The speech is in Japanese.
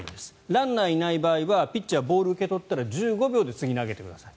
ランナーがいない場合はピッチャーボールを受け取ったら１５秒で次、投げてください。